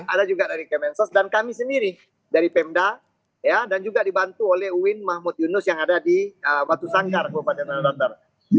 ada juga dari kemensos dan kami sendiri dari pemda dan juga dibantu oleh uin mahmud yunus yang ada di batu sanggar kabupaten haludatar